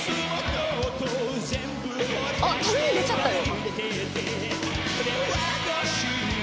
「あっ旅に出ちゃったよ」